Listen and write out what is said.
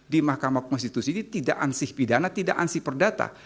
di mahkamah konstitusi ini tidak ansih pidana tidak ansih perdata